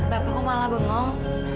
bapak kok malah bengong